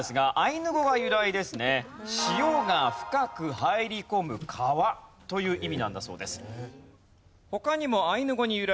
「汐が深く入り込む川」という意味なんだそうです。